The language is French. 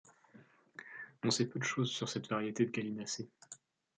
On sait peu de choses sur cette variété de gallinacé.